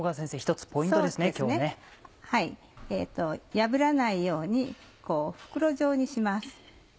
破らないように袋状にします。